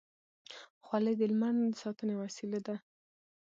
خولۍ د لمر نه د ساتنې وسیله ده.